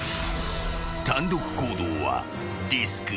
［単独行動はリスクが高い］